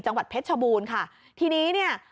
จังหวัดเพชรชบูรค่ะทีนี้เนี่ย